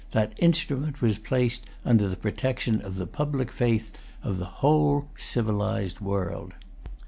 That instrument was placed under the protection of the public faith of the whole civilized world.